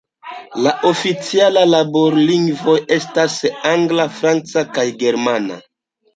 La oficialaj laborlingvoj estas angla, franca kaj germana.